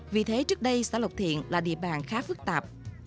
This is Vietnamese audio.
vì thế trước đây xã lộc thiện là địa bàn khá phức tạp